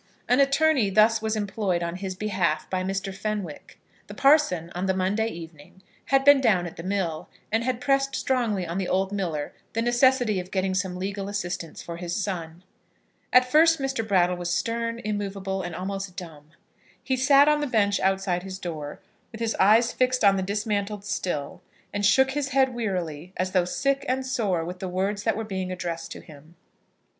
An attorney thus was employed on his behalf by Mr. Fenwick. The parson on the Monday evening had been down at the mill, and had pressed strongly on the old miller the necessity of getting some legal assistance for his son. At first Mr. Brattle was stern, immovable, and almost dumb. He sat on the bench outside his door, with his eyes fixed on the dismantled mill, and shook his head wearily, as though sick and sore with the words that were being addressed to him.